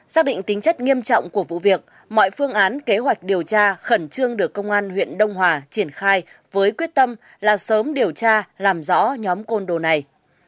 xác định tính chất nghiêm trọng của vụ việc mọi phương án kế hoạch điều tra khẩn trương được công an huyện đông hòa triển khai với quyết tâm là sớm điều tra làm rõ nhóm côn đồ này